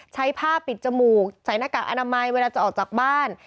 ใช้ผ้าปิดจมูกใส่หน้ากากอนามัยเวลาจะออกจากบ้าน